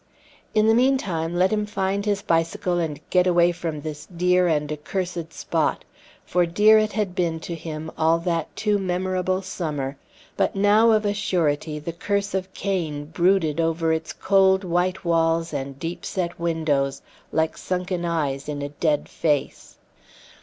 In the meantime let him find his bicycle and get away from this dear and accursed spot; for dear it had been to him, all that too memorable summer; but now of a surety the curse of Cain brooded over its cold, white walls and deep set windows like sunken eyes in a dead face.